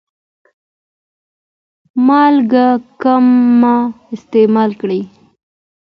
مالګه کمه استعمال کړئ.